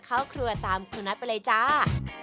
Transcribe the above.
เข้าครัวตามคุณน็อตไปเลยจ้า